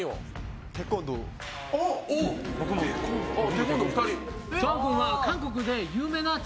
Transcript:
テコンドー２人。